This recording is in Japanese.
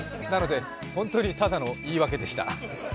なので本当にただの言い訳でした。